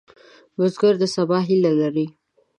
بزګر د سبا هیله لري